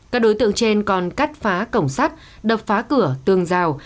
các đối tượng trên còn cắt phá cổng sắt đập phá cửa tường rào